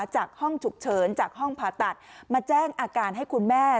จากห้องฉุกเฉินจากห้องผ่าตัดมาแจ้งอาการให้คุณแม่